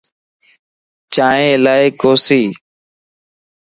چائين الائي ڪوسيَ